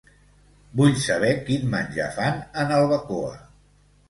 Vull saber quin menjar fan en el Bacoa.